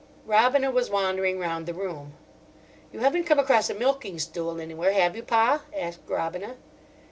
Robina was wandering round the room. "You haven't come across a milking stool anywhere, have you, Pa?" asked Robina.